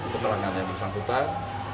kekerangan yang disangkutan